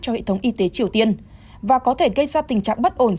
cho hệ thống y tế triều tiên và có thể gây ra tình trạng bất ổn